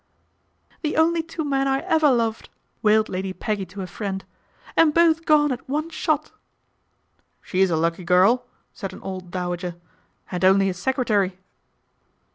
' The only two men I ever loved," wailed Lady Peggy to a friend, " and both gone at one shot." " She's a lucky girl," said an old dowager, " and only a secretary."